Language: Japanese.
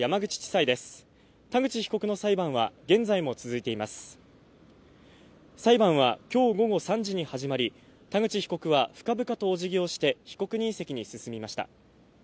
裁判は今日午後３時に始まり田口被告は、深々とおじぎして被告人席に進みました。